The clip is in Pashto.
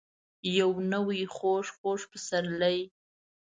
یو نوی خوږ. خوږ پسرلی ،